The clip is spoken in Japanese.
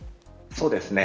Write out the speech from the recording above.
そうですね。